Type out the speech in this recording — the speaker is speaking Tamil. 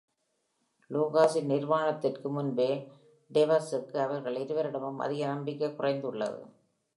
லூகாஸின் நிவாரணத்திற்கு முன்பே டெவர்ஸுக்கு அவர்கள் இருவரிடமும் அதிக நம்பிக்கை குறைந்துள்ளது.